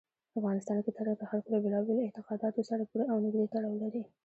افغانستان کې تاریخ د خلکو له بېلابېلو اعتقاداتو سره پوره او نږدې تړاو لري.